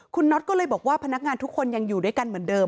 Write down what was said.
คุณน็อตก็เลยบอกว่าพนักงานทุกคนยังอยู่ด้วยกันเหมือนเดิม